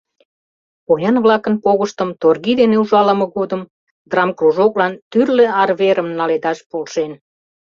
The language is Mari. Поян-влакын погыштым торги дене ужалыме годым драмкружоклан тӱрлӧ арверым наледаш полшен.